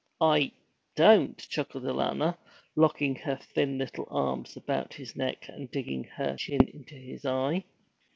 'I don't!' chuckled Alanna, locking her thin little arms about his neck, and digging her chin into his eye.